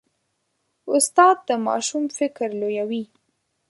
استاد د ماشوم فکر لویوي.